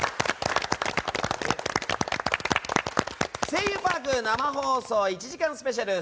「声優パーク」生放送１時間スペシャル。